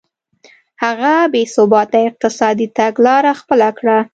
هغه بې ثباته اقتصادي تګلاره خپله کړه.